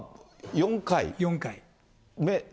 ４回。